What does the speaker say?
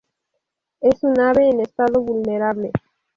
Es un ave en estado vulnerable.